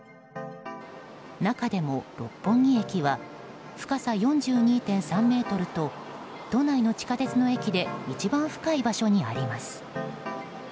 中でも、六本木駅は深さ４２．３ｍと都内の地下鉄の駅で一番深い場所にあります。